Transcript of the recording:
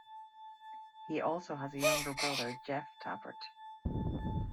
He also has a younger brother, Jeff Tapert.